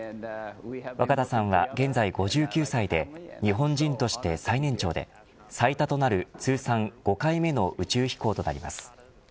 若田さんは現在５９歳で日本人として最年長で最多となる、通算５回目の宇宙飛行となります。